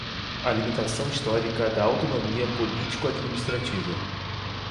a limitação histórica da autonomia político-administrativa